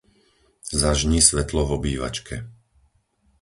Zažni svetlo v obývačke!